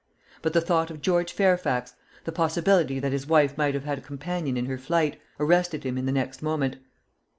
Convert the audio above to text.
But the thought of George Fairfax the possibility that his wife might have had a companion in her flight arrested him in the next moment.